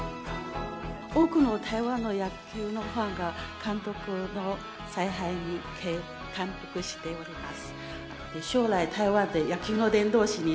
多くの台湾の野球のファンが監督の采配に感服しております。